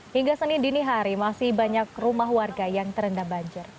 hingga senin dini hari masih banyak rumah warga yang terendam banjir